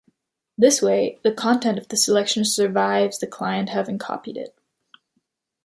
This way, the content of the selection survives the client having copied it.